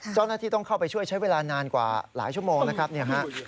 เจ้าหน้าที่ต้องเข้าไปช่วยใช้เวลานานกว่าหลายชั่วโมงนะครับเนี่ยฮะ